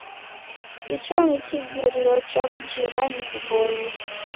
Icho ni kighirio cha w'ujirani ghuboie.